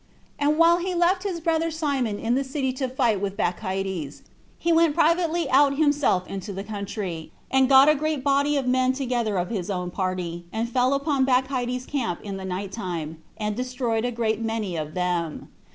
And while he left his brother Simon in the city to fight with Bacchides, he went privately out himself into the country, and got a great body of men together of his own party, and fell upon Bacchides's camp in the night time, and destroyed a great many of them.